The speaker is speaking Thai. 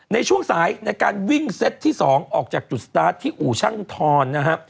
ในช่วงสายในการวิ่งเซตที่๒ออกจากจุดสตาร์ทที่อู่ช่างทรนะฮะ